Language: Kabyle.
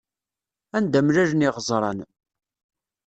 Anda mlalen yiɣeẓṛan.